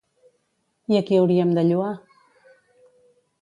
I a qui hauríem de lloar?